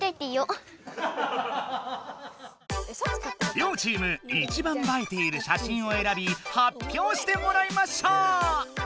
両チームいちばん映えている写真をえらび発表してもらいましょう！